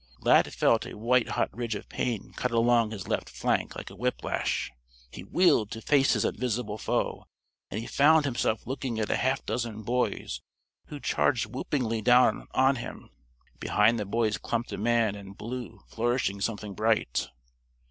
Lad felt a white hot ridge of pain cut along his left flank like a whip lash. He wheeled to face his invisible foe, and he found himself looking at a half dozen boys who charged whoopingly down on him. Behind the boys clumped a man in blue flourishing something bright.